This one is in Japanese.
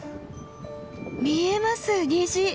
見えます虹！